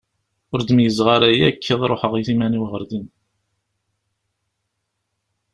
Ur d-meyyzeɣ ara yakk ad ruḥeɣ i iman-iw ɣer din.